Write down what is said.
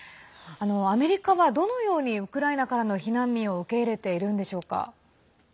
アメリカは、どのようにウクライナからの避難民を受け入れているんでしょうか？